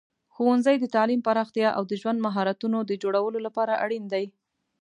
ښوونځي د تعلیم پراختیا او د ژوند مهارتونو د جوړولو لپاره اړین دي.